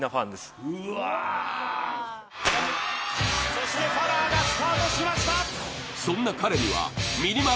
そしてファラーがスタートしました